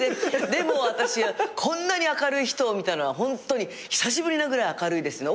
でも私こんなに明るい人を見たのはホントに久しぶりなぐらい明るいですね。